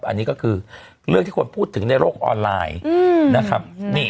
อันนี้ก็คือเรื่องที่คนพูดถึงในโลกออนไลน์นะครับ